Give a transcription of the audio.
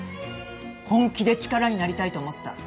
本気で力になりたいと思った。